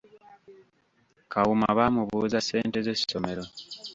Kawuma baamubuuza ssente z’essomero.